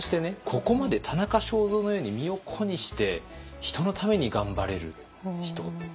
ここまで田中正造のように身を粉にして人のために頑張れる人。